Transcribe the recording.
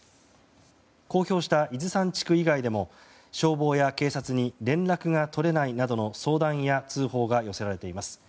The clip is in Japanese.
公表した伊豆山地区以外でも消防や警察に連絡が取れないなどの相談や通報が寄せられています。